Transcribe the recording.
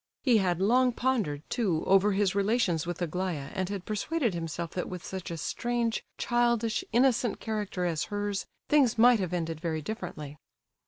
He had long pondered, too, over his relations with Aglaya, and had persuaded himself that with such a strange, childish, innocent character as hers, things might have ended very differently.